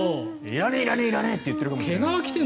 いらねえいらねえ！って言っているかもしれない。